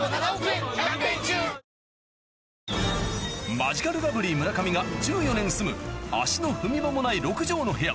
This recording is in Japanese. マヂカルラブリー・村上が１４年住む足の踏み場もない６畳の部屋